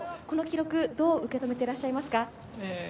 この記録、どう受け止めていらっしゃいますか？